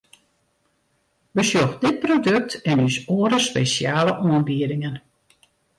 Besjoch dit produkt en ús oare spesjale oanbiedingen!